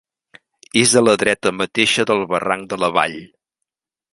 És a la dreta mateixa del barranc de la Vall.